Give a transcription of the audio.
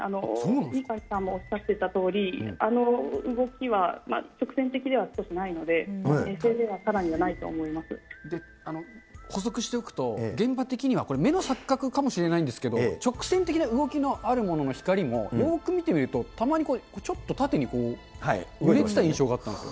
三上さんもおっしゃってたとおり、あの動きは、直線的では少しないので、補足しておくと、現場的には、これ目の錯覚かもしれないんですけれども、直線的な動きのあるものの光もよーく見てみると、たまにちょっと、縦に揺れてた印象があったんですよ。